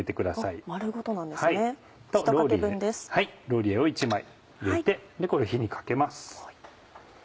ローリエを１枚入れてこれを火にかけます。